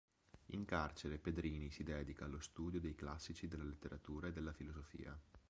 In carcere Pedrini si dedica allo studio dei classici, della letteratura e della filosofia.